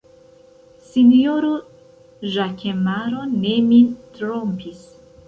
Sinjoro Ĵakemaro ne min trompis!